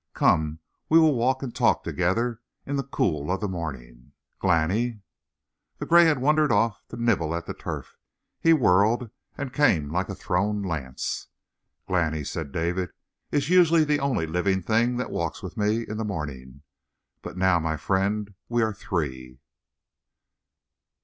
Come, we will walk and talk together in the cool of the morning. Glani!" The gray had wandered off to nibble at the turf; he whirled and came like a thrown lance. "Glani," said David, "is usually the only living thing that walks with me in the morning; but now, my friend, we are three."